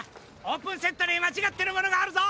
オープンセットにまちがってるものがあるぞ！